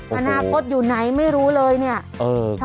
มันากฎอยู่ไหนไม่รู้เลยเนี่ยเออ